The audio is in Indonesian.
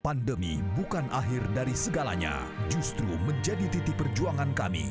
pandemi bukan akhir dari segalanya justru menjadi titik perjuangan kami